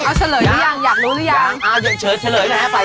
เอาเสริยรึยังอยากรู้รึยังช่วยเสริยนะฟัยแดง